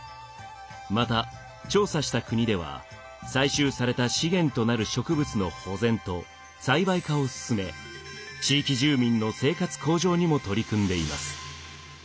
また調査した国では採集された資源となる植物の保全と栽培化を進め地域住民の生活向上にも取り組んでいます。